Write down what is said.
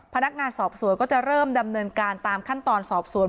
พนักงานสอบสวนก็จะเริ่มดำเนินการตามขั้นตอนสอบสวน